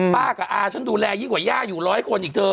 ป้ากับอาฉันดูแลยิ่งกว่าย่าอยู่ร้อยคนอีกเธอ